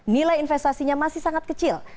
nilai investasinya masih sangat kecil